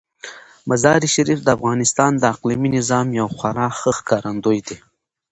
مزارشریف د افغانستان د اقلیمي نظام یو خورا ښه ښکارندوی دی.